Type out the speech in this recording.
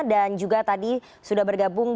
dan juga tadi sudah bergabung